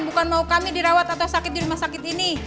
bukan mau kami dirawat atau sakit di rumah sakit ini